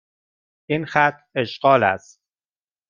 این خط اشغال است.